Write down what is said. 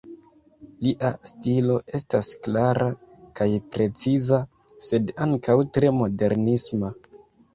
Lia stilo estas klara kaj preciza, sed ankaŭ tre modernisma.